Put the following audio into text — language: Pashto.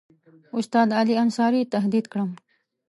استاد علي انصاري تهدید کړم.